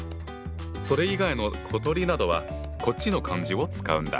それ以外の小鳥などはこっちの漢字を使うんだ。